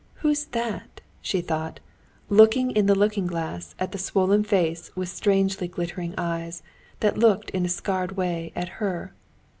"Who's that?" she thought, looking in the looking glass at the swollen face with strangely glittering eyes, that looked in a scared way at her.